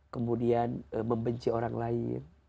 kemudian membenci orang lain